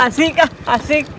asik ah asik